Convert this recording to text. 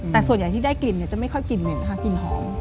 แต่ส่วนใหญ่ที่ได้กลิ่นจะไม่ค่อยกลิ่นเหม็นค่ะกลิ่นหอม